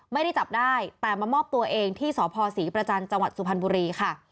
ไม่ได้จับได้แต่มามอบตัวเองที่สพศรีประจันทร์จังหวัดสุพรรณบุรีค่ะ